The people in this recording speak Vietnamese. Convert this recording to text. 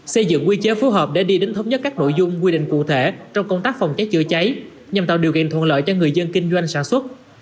xây dựng quy chế phối hợp để đi đến thống nhất các nội dung quy định cụ thể trong công tác phòng cháy chữa cháy nhằm tạo điều kiện thuận lợi cho người dân kinh doanh sản xuất